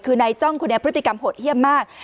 คือนายจ้องคนนี้พฤติกรรมโหดเยี่ยมมาก